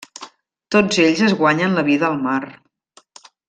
Tots ells es guanyen la vida al mar.